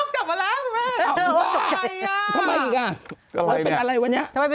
จับมาแล้วใช่ไหมไอตัวไงอ่ะ